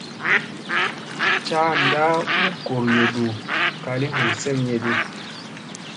Caanda u gooryoɗu kali hu semyeɗu.